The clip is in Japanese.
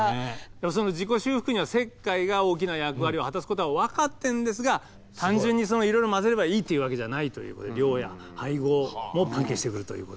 その自己修復には石灰が大きな役割を果たすことは分かってるんですが単純にいろいろ混ぜればいいっていうわけじゃないということで量や配合も関係してくるということで。